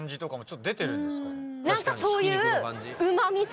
何かそういう。